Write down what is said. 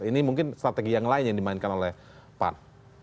ini mungkin strategi yang lain yang dimainkan oleh pan